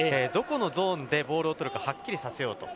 どこのゾーンでボールを取るか、はっきりさせよう。